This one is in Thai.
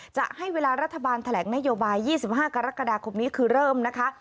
จะให้เวลารัฐบาลแถลงนโยบาย๒๕กรกฎาคมนี้คือเริ่มนะคะ